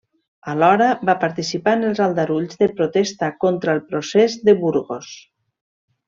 Alhora, va participar en els aldarulls de protesta contra el Procés de Burgos.